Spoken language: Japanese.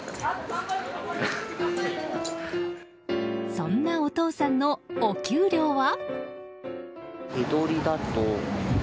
そんなお父さんの、お給料は？